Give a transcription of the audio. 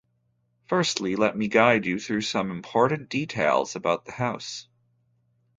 Firstly, let me guide you through some important details about the house.